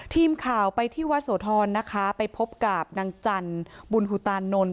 ทีมข่าวไปที่วัดโสธรนะคะไปพบกับนางจันทร์บุญหุตานนท์